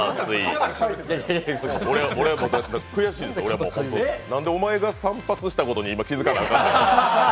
俺はもう悔しいです、なんでお前が散髪したことに今、気付かなあかんねん。